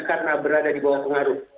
karena berada di bawah pengaruh